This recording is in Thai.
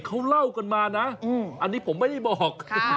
เขาเล่ากันมานะอันนี้ผมไม่ได้บอก